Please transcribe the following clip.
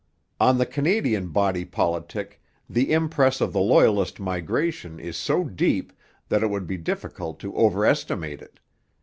On the Canadian body politic the impress of the Loyalist migration is so deep that it would be difficult to overestimate it.